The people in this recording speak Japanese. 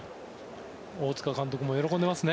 大塚監督も喜んでますよね。